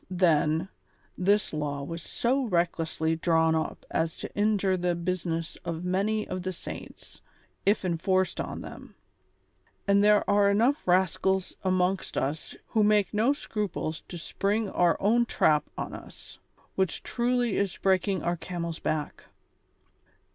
then, this law was so recklessly drawn up as to injure the business of many of the saints, if enforced on them ; and there are enougli rascals amongst us who make no scruples to spring our own trap on us, which truly is breaking our camel's back.